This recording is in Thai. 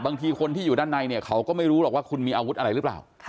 บางทีคนที่อยู่ด้านในเนี่ยเขาก็ไม่รู้หรอกว่าคุณมีอาวุธอะไรหรือเปล่า